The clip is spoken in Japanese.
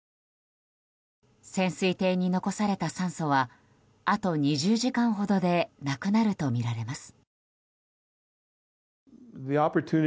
潜水艇に残された酸素はあと２０時間ほどでなくなるとみられます。